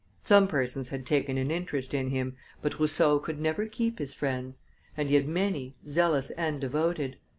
Some persons had taken an interest in him, but Rousseau could never keep his friends; and he had many, zealous and devoted.